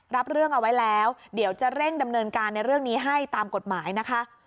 รับเรื่องเอาไว้แล้วเดี๋ยวจะเร่งดำเนินการในเรื่องนี้ให้ตามกฎหมายนะคะ